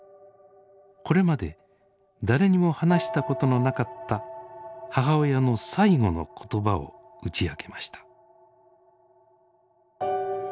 これまで誰にも話したことのなかった母親の最後の言葉を打ち明けました。